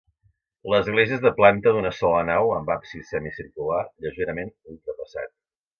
L'església és de planta d'una sola nau amb absis semicircular, lleugerament ultrapassat.